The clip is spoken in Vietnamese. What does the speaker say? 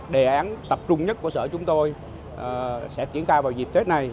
đề án tập trung nhất của sở chúng tôi sẽ triển khai vào dịp tết này